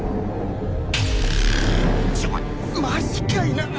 ちょマジかいな！